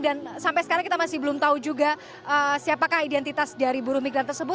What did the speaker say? dan sampai sekarang kita masih belum tahu juga siapakah identitas dari buruh migran tersebut